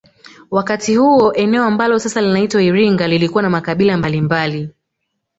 Wakati huo eneo ambalo sasa linaitwa Iringa lilikuwa na makabila mbalimbali